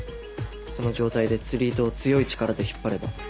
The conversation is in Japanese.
その状態で釣り糸を強い力で引っ張れば。